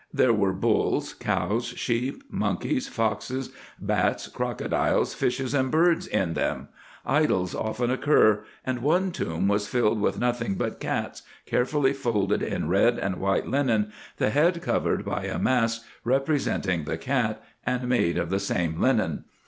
There were bulls, cows, sheep, monkeys, foxes, bats, crocodiles, fishes, and birds, in them : idols often occur ; and one tomb was filled with nothing but cats, carefully folded in red and white linen, the head covered by a mask representing the cat, and made of the same linen.